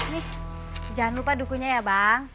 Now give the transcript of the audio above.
nih jangan lupa dukunya ya bang